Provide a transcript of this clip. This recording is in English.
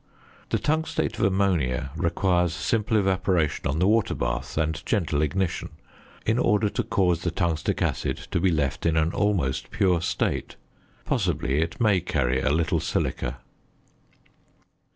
The tungstate of ammonia requires simple evaporation on the water bath and gentle ignition in order to cause the tungstic acid to be left in an almost pure state; possibly, it may carry a little silica.